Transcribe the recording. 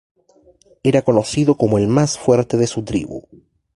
Era conocido como el más fuerte de su tribu.